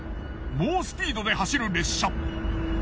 猛スピードで走る列車。